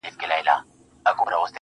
چي د وختونو له خدايانو څخه ساه واخلمه